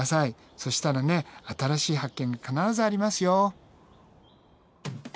そしたらね新しい発見必ずありますよ。